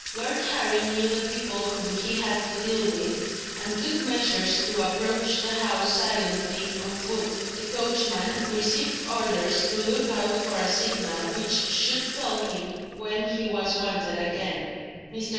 Lord Harry knew the people whom he had to deal with, and took measures to approach the house silently, on foot. The coachman received orders to look out for a signal, which should tell him when he was wanted again. Mr.